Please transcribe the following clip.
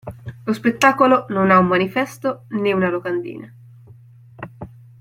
Lo spettacolo non ha un manifesto, né una locandina.